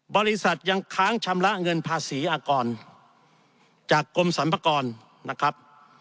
บริษัทยังค้างชำระเงินภาษีอากรจากกรมสรรพากรนะครับ